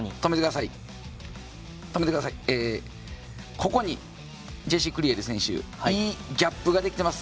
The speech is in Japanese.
ここにジェシー・クリエル選手ギャップができています。